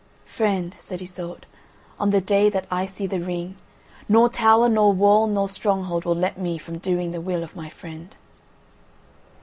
"Friend," said Iseult, "on the day that I see the ring, nor tower, nor wall, nor stronghold will let me from doing the will of my friend."